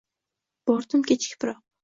-Bordim, kechikibroq.